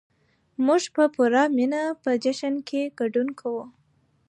موږ به په پوره مينه په جشن کې ګډون کوو.